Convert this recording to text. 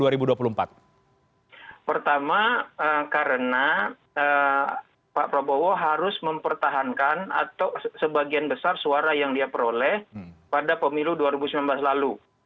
pertama karena pak prabowo harus mempertahankan atau sebagian besar suara yang dia peroleh pada pemilu dua ribu sembilan belas lalu